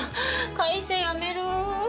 会社辞める。